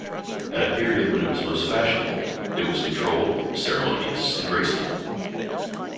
At the period when it was most fashionable it was controlled, ceremonious and graceful.